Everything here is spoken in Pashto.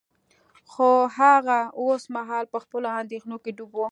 خو هغه اوس مهال په خپلو اندیښنو کې ډوب و